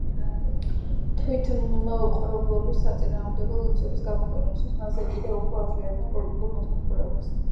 თვითმპყრობელობის საწინააღმდეგო ლექსების გამოქვეყნებისათვის მასზე კიდევ უფრო აძლიერებენ პოლიტიკურ მეთვალყურეობას.